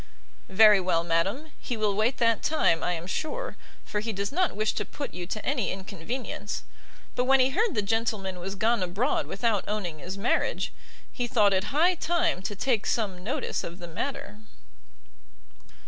"Very well, madam; he will wait that time, I am sure, for he does not wish to put you to any inconvenience. But when he heard the gentleman was gone abroad without owning his marriage, he thought it high time to take some notice of the matter."